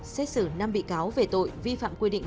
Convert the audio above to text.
xét xử năm bị cáo về tội vi phạm quy định